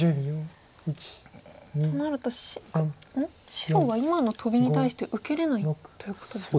白は今のトビに対して受けれないということですか。